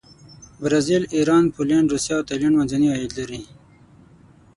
برازیل، ایران، پولینډ، روسیه او تایلنډ منځني عاید لري.